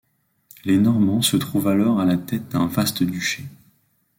Les Normands se trouvent alors à la tête d'un vaste duché.